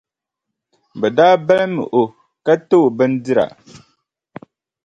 Bɛ daa balim o ka ti o bindira.